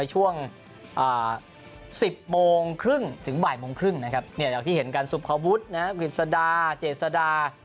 ช่วง๑๐โมงครึ่งถึงบ่ายโมงครึ่งนะครับอย่างที่เห็นกันสุภวุฒิวิทยาศาสตร์เจศาสตร์